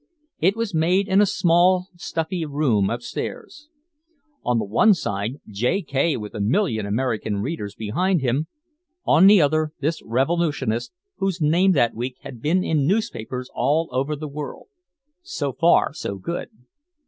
It was made in a small, stuffy room upstairs. On the one side J. K. with a million American readers behind him, on the other this revolutionist whose name that week had been in newspapers all over the world. So far, so good.